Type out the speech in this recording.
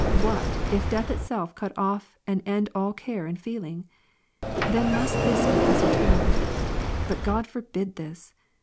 What, if death itself cut off and end all care and feeling ? Then must this be ascertained. But God forbid this